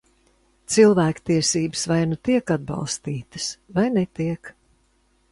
Cilvēktiesības vai nu tiek atbalstītas, vai netiek.